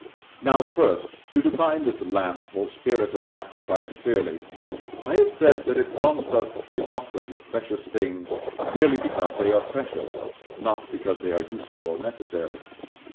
Now, first, to define this Lamp, or Spirit of Sacrifice, clearly. I have said that it prompts us to the offering of precious things merely because they are precious, not because they are useful or necessary.